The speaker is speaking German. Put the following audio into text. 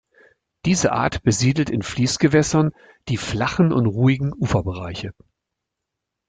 Diese Art besiedelt in Fließgewässern die flachen und ruhigen Uferbereiche.